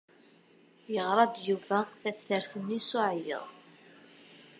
Yeɣra-d Yuba taftart-nni s uɛeyyeḍ.